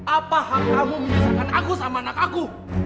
apa hak kamu menyisakan aku sama anak aku